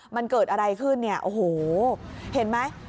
มันเกิดอะไรขึ้นเนี่ยโอ้โหเห็นไหม